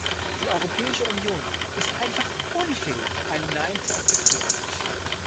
Die Europäische Union ist einfach unfähig, ein Nein zu akzeptieren.